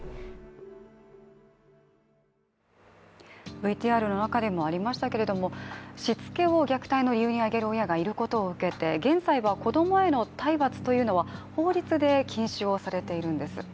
ＶＴＲの中でもありましたけれどもしつけを虐待の理由に挙げる親がいるのにたいして現在は子供への体罰というのは法律で禁止をされているんです。